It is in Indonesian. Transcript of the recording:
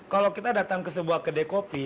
kalau kita datang ke sebuah kedai kopi